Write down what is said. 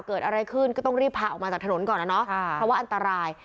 เกิดอะไรขึ้นก็ต้องรีบพาออกมาจากถนนก่อนนะเนาะเพราะว่าอันตราย